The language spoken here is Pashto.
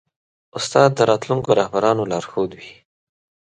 استاد د راتلونکو رهبرانو لارښود وي.